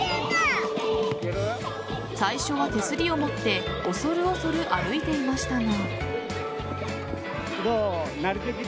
最初は手すりを持って恐る恐る歩いていましたが。